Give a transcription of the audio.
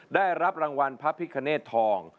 ได้รับรางวัลพระพิการร์เนททอง